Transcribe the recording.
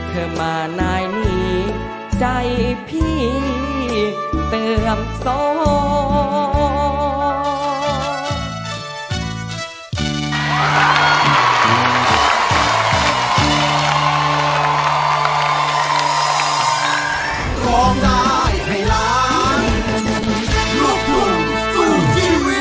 เธอมานายนี้ใจพี่เสื่อมสอง